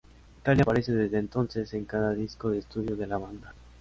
Kelly aparece desde entonces en cada disco de estudio de la banda.